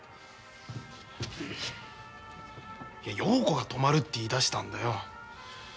いや陽子が泊まるって言いだしたんだよ。